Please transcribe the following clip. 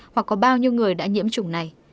hoặc có bao nhiêu người đã nhiễm chủng này